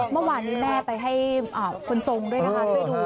เมื่อวานที่แม่ไปให้คนทรงด้วยนะคะ